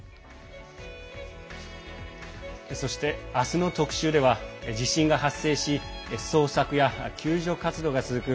そして明日の特集では地震が発生し捜索や救助活動が続く